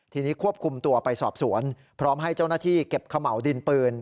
ทีนี้ควบคุมตัวไปสอบสวนพร้อมให้เจ้าหน้าที่เก็บขม่าวดินปืน